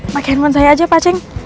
pakai handphone saya aja pak ceng